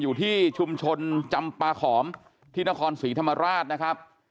อยู่ที่ชุมชนจำปาขอมที่นครศรีธรรมราชนะครับ